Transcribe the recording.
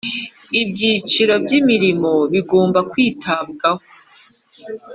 ibyiciro by imirimo bigomba kwitabwaho